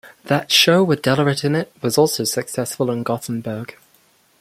That show with Dellert in it was also successful in Gothenburg.